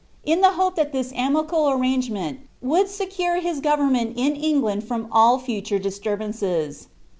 fi the hope tliat tliia amicable arrangemeut would secure his ' iMiuBient in England from all future disturbances.